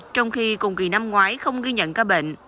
trong khi cùng kỳ năm ngoái không ghi nhận ca bệnh